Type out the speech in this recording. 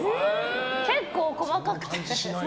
結構細かくて。